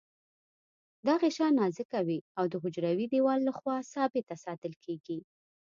دا غشا نازکه وي او د حجروي دیوال له خوا ثابته ساتل کیږي.